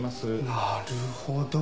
なるほど。